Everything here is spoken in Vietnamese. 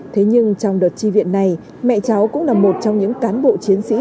thế nhưng trong đợt tri viện này mẹ cháu cũng là một trong những cán bộ chiến sĩ